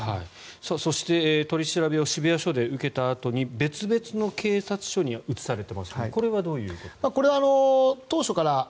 そして、取り調べを渋谷署で受けたあとに別々の警察署に移されていますがこれはどういうことでしょう。